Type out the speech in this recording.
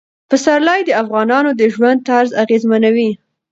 پسرلی د افغانانو د ژوند طرز اغېزمنوي.